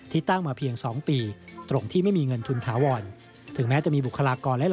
ที่ตั้งมาเพียง๒ปีตรงที่ไม่มีเงินทุนถาวร